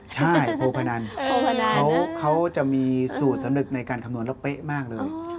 ใช่โพพนันเขาจะมีสูตรสำนึกในการคำนวณแล้วเป๊ะมากเลย